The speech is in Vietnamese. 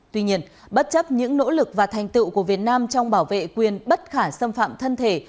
tuy nhiên bất chấp những nỗ lực và thành tựu của việt nam trong bảo vệ quyền bất khả xâm phạm thân thể